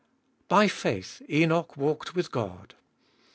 By faith Enoch walked with God.